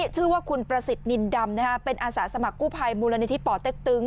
ชื่อว่าคุณประสิทธิ์นินดำเป็นอาสาสมัครกู้ภัยมูลนิธิป่อเต็กตึง